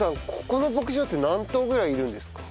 ここの牧場って何頭ぐらいいるんですか？